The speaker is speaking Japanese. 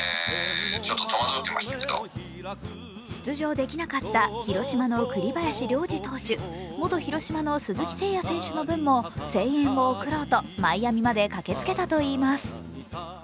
出場できなかった広島の栗林良吏投手、元広島の鈴木誠也選手の分も声援を送ろうとマイアミまで駆けつけたといいます。